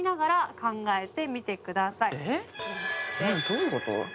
どういうこと？